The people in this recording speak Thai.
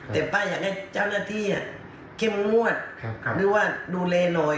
แต่ป้าอยากให้เจ้าหน้าที่เข้มงวดหรือว่าดูแลหน่อย